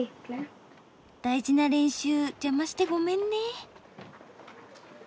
大事な練習邪魔してごめんね。